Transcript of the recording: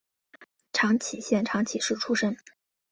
长崎县长崎市出身。